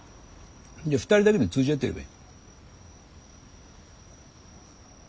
じゃあ２人だけで通じ合ってればいい。